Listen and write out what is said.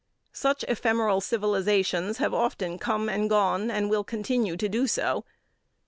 Such ephemeral civilizations have often come and gone, and will continue to do so.